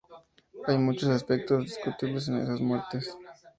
Hay muchos aspectos discutibles en esas muertes.